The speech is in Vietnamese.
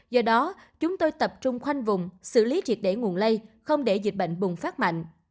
do đó chúng tôi tập trung khoanh vùng xử lý triệt để nguồn lây không để dịch bệnh bùng phát mạnh